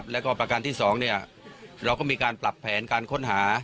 แล้วก็ประการที่๒เราก็มีการปรับแผนการค้นหา